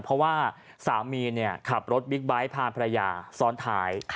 เพราะว่าสามีขับรถบิ๊กไบท์พาภรรยาซ้อนท้าย